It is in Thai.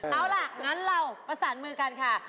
เอาล่ะงั้นเราประสานมือกันค่ะ